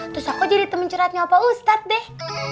terus aku jadi temen curhatnya opa ustadz deh